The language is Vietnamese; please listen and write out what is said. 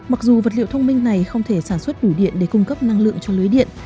mặc dù vật liệu thông minh này không thể sản xuất đủ điện để cung cấp năng lượng cho lưới điện